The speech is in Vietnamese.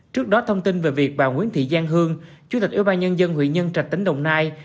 trước đó thông tin về việc bà nguyễn thị giang hương chủ tịch ủy ban nhân dân huy nhân trạch tỉnh đồng nai